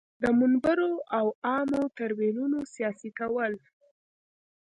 د منبرونو او عامه تریبیونونو سیاسي کول.